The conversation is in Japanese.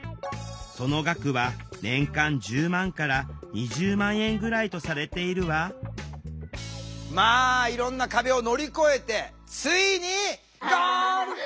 その額は年間１０万から２０万円ぐらいとされているわまあいろんな壁を乗り越えてついにゴール！